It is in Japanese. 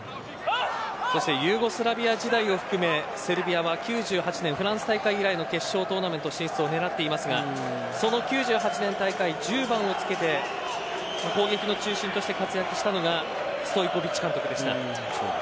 ユーゴスラビア時代を含めセルビアは９８年フランス大会以来の決勝トーナメント進出を狙ってますがその９８年大会１０番を付けて攻撃の中心として活躍したのがストイコヴィッチ監督でした。